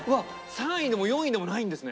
３位でも４位でもないんですね。